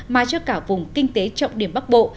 mà cho cả vùng kinh tế trọng điểm bắc bộ